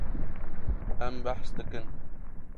Em behs dikin.